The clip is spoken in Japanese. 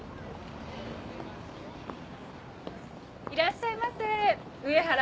いらっしゃいませ上原